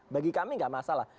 bagi kami enggak masalah